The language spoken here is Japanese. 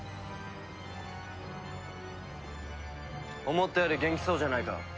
思ったより元気そうじゃないか。